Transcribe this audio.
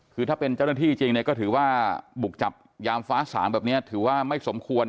คือถ้าเป็นเจ้าหน้าที่จริงเนี่ยก็ถือว่าบุกจับยามฟ้าสางแบบนี้ถือว่าไม่สมควร